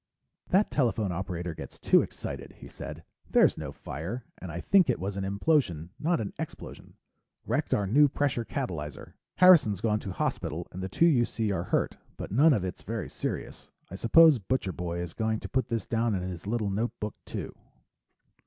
"That telephone operator gets too excited," he said. "There's no fire, and I think it was an implosion, not an explosion. Wrecked our new pressure catalyzer. Harrison's gone to hospital and the two you see are hurt, but none of it's very serious. I suppose Butcher Boy is going to put this down in his little notebook, too."